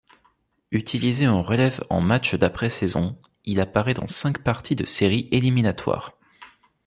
Utilisé en relève en matchs d'après-saison, il apparaît dans cinq parties de séries éliminatoires.